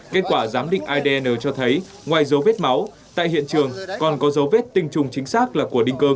kết quả giám định adn cho thấy ngoài dấu vết máu tại hiện trường còn có dấu vết tinh trùng chính xác là của đinh cơ